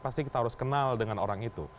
pasti kita harus kenal dengan orang itu